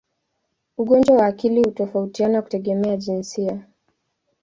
Ugonjwa wa akili hutofautiana kutegemea jinsia.